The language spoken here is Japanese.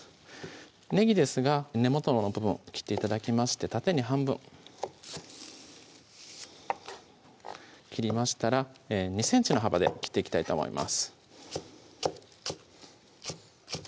ねぎですが根元の部分切って頂きまして縦に半分切りましたら２ｃｍの幅で切っていきたいと思います